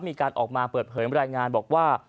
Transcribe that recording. มีการออกมาเปิดเผยรายงานบอกว่า